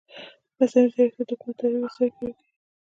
مصنوعي ځیرکتیا د حکومتدارۍ وسایل پیاوړي کوي.